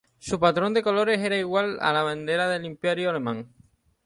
Su patrón de colores era igual a la bandera del Imperio alemán.